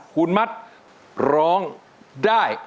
คุณมัดร้องได้